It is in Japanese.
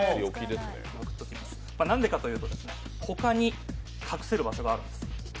なんでかというと他に隠せる場所があるんです。